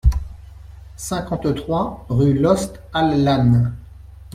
cinquante-trois rue Lost al Lann